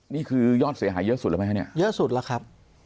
นี่คือยอกเสียหายเยอะสุดร้อนไหมเยอะสุดแล้วครับ